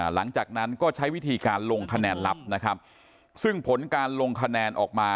หลังจากนั้นก็ใช้วิธีการลงคะแนนลับนะครับซึ่งผลการลงคะแนนออกมา